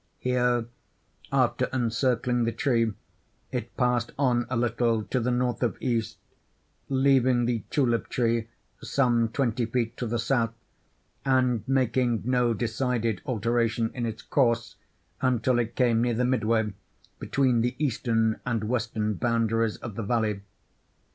Here, after encircling the tree, it passed on a little to the north of east, leaving the tulip tree some twenty feet to the south, and making no decided alteration in its course until it came near the midway between the eastern and western boundaries of the valley.